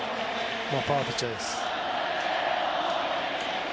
パワーピッチャーです。